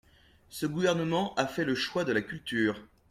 Ce gouvernement a fait le choix de la culture.